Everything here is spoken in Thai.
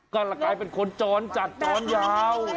ก็กลายเป็นคนจรจัดจรยาว